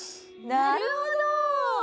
なるほど！